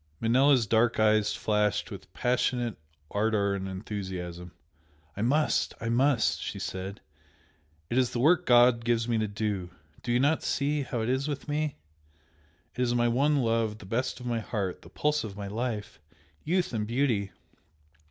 Manella's dark eyes flashed with passionate ardour and enthusiasm. "I must I must!" she said "It is the work God gives me to do! Do you not see how it is with me? It is my one love the best of my heart! the pulse of my life! Youth and beauty!